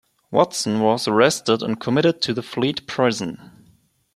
Watson was arrested and committed to the Fleet Prison.